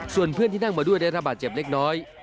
ส่วนเพื่อนที่นั่งมาด้วยได้ระบาดเจ็บเล็กน้อย